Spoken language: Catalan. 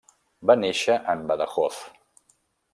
Va néixer en Badajoz.